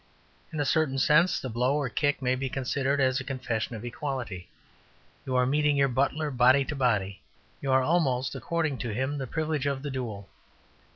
In a certain sense, the blow or kick may be considered as a confession of equality: you are meeting your butler body to body; you are almost according him the privilege of the duel.